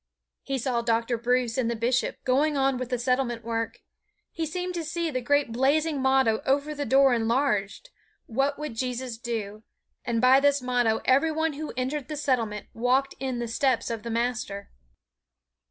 He saw Dr. Bruce and the Bishop going on with the Settlement work. He seemed to see the great blazing motto over the door enlarged, "What would Jesus do?" and by this motto every one who entered the Settlement walked in the steps of the Master.